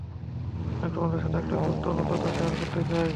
আমি তোমাদের সাথে একটা গুরুত্বপূর্ণ তথ্য শেয়ার করতে চাই।